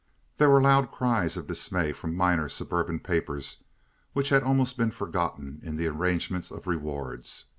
There were loud cries of dismay from minor suburban papers which had almost been forgotten in the arrangement of rewards.